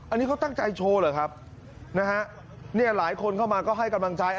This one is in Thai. อันนี้เขาตั้งใจโชว์เหรอครับนะฮะเนี่ยหลายคนเข้ามาก็ให้กำลังใจ